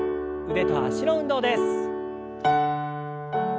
腕と脚の運動です。